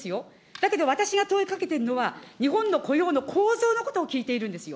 たけど、私が問いかけているのは、日本の雇用の構造のことを聞いているんですよ。